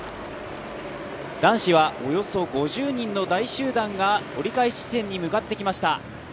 男子はおよそ５０人の大集団が折り返し地点に向かってきました。